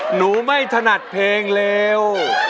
หนูไม่ถนัดเพลงเร็ว